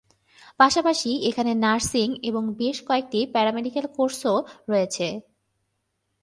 পাশাপাশি এখানে নার্সিং এবং বেশ কয়েকটি প্যারা মেডিকেল কোর্সও রয়েছে।